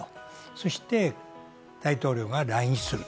そして大統領が来日する。